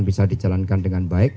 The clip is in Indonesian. bisa dijalankan dengan baik